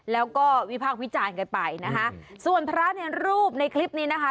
แล้วก็วิพากษ์วิจารณ์กันไปนะคะส่วนพระในรูปในคลิปนี้นะคะ